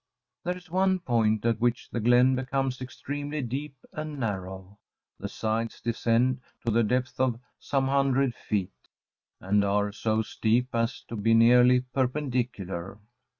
There is one point at which the glen becomes extremely deep and narrow; the sides descend to the depth of some hundred feet, and are so steep as to be nearly perpendicular.